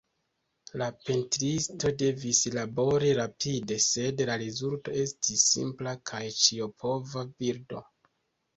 La pentristo devis labori rapide, sed la rezulto estis simpla kaj ĉiopova bildo.